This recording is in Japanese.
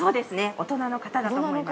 大人の方だと思います。